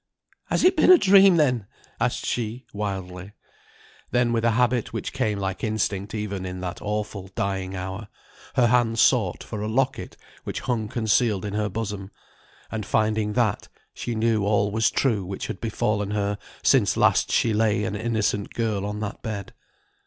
"Has it been a dream then?" asked she wildly. Then with a habit, which came like instinct even in that awful dying hour, her hand sought for a locket which hung concealed in her bosom, and, finding that, she knew all was true which had befallen her since last she lay an innocent girl on that bed.